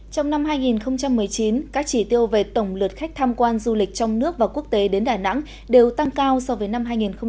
trong năm hai nghìn một mươi chín các chỉ tiêu về tổng lượt khách tham quan du lịch trong nước và quốc tế đến đà nẵng đều tăng cao so với năm hai nghìn một mươi tám